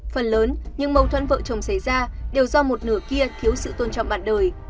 phần lớn nhưng mâu thuẫn vợ chồng xảy ra đều do một nửa kia thiếu sự tôn trọng bạn đời